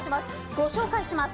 ご紹介します。